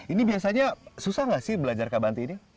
ini biasanya susah nggak sih belajar kabanti ini